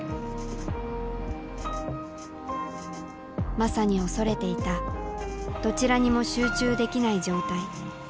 まさに恐れていたどちらにも集中できない状態。